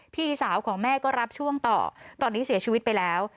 พี่สาวของแม่ก็รับช่วงต่อตอนนี้เสียชีวิตไปแล้ว